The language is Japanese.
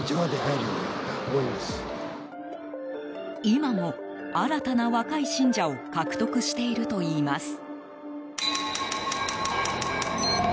今も、新たな若い信者を獲得しているといいます。